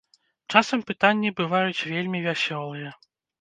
Часам пытанні бываюць вельмі вясёлыя.